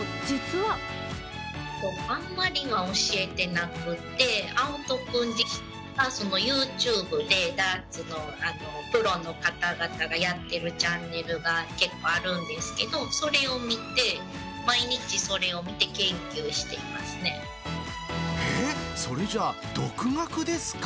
あんまりは教えてなくって、あおとくん自身がユーチューブでダーツのプロの方々がやってるチャンネルが結構あるんですけど、それを見て、毎日それを見て研究えー、それじゃあ、独学ですか。